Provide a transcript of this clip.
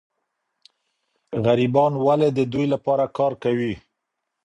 غریبان ولي د دوی لپاره کار کوي؟